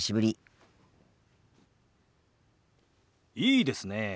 いいですねえ。